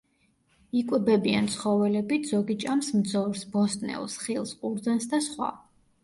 იკვებებიან ცხოველებით, ზოგი ჭამს მძორს, ბოსტნეულს, ხილს, ყურძენს და სხვა.